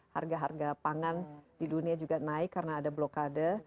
harga harga pangan di dunia juga naik karena ada blokade